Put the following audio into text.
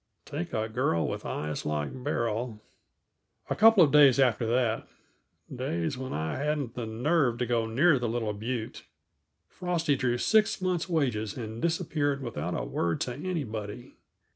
Take a girl with eyes like Beryl A couple of days after that days when I hadn't the nerve to go near the little butte Frosty drew six months' wages and disappeared without a word to anybody.